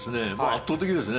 圧倒的ですね。